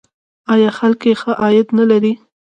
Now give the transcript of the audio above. آیا خلک یې ښه عاید نلري؟